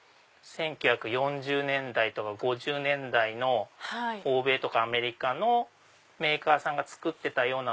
１９４０年代とか１９５０年代の欧米アメリカのメーカーさんが作ってたようなのを。